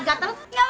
nggak pak nggak nggak